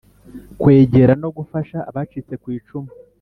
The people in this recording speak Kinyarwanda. Kwegera no gufasha abacitse ku icumu